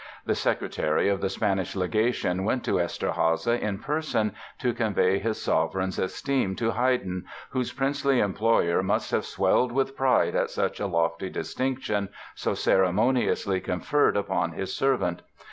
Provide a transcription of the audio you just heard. The secretary of the Spanish Legation went to Eszterháza in person to convey his sovereign's esteem to Haydn, whose princely employer must have swelled with pride at such a lofty distinction so ceremoniously conferred upon his "servant".